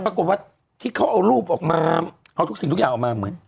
ปรากฏว่าที่เขาเอารูปออกมาเอาทุกสิ่งทุกอย่างออกมาเหมือน